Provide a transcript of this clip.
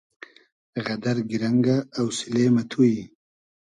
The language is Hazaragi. غئدئر گیرئنگۂ اۆسیلې مۂ تو یی